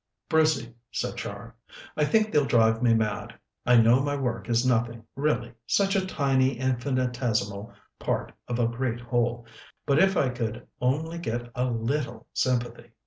"Brucey," said Char, "I think they'll drive me mad. I know my work is nothing, really such a tiny, infinitesimal part of a great whole but if I could only get a little sympathy.